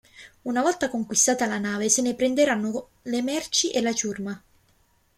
Una volta conquistata una nave se ne prenderanno le merci e la ciurma.